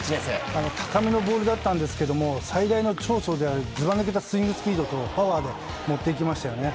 高めのボールだったんですけど最大の長所であるずば抜けたスイングスピードとパワーで持っていきましたよね。